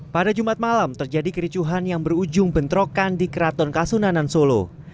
pada jumat malam terjadi kericuhan yang berujung bentrokan di keraton kasunanan solo